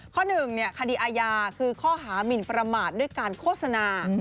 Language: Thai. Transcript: ข้อหนึ่งคดีอาญาคือข้อหามินประมาทด้วยการโฆษณา